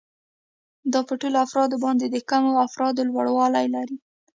دا په ټولو افرادو باندې د کمو افرادو لوړوالی دی